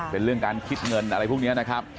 เป็นเรื่องการคิดเงินอะไรพวกนี้นะครับ